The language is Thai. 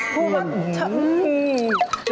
พูดมา